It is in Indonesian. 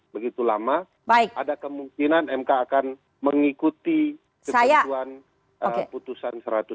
begitu lama ada kemungkinan mk akan mengikuti keputusan satu ratus dua belas